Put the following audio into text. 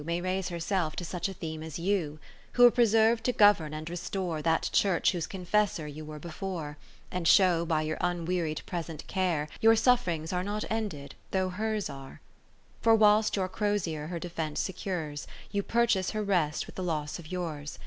May raise herself to such a theme as you, 20 Who were preserv'd to govern and restore That Church whose Confessor you were before ; And show by your unwearied present care, Your sufPrings are not ended, though hers are : For whilst your crosier her defence secures, You purchase her rest with the loss of yours.